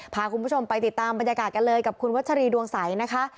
พาคุณผู้ชมไปติดตามบรรยากาศกันเลยกับคุณวัชรีดวงใสนะคะ